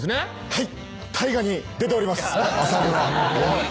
はい。